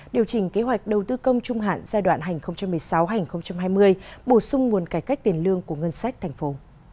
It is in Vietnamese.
điều chỉnh kế hoạch đầu tư công trung hạn giai đoạn hai nghìn một mươi sáu hai nghìn hai mươi bổ sung nguồn cải cách tiền lương của ngân sách thành phố